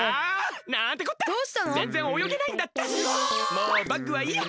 もうバッグはいいや！